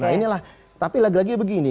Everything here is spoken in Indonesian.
nah inilah tapi lagi lagi begini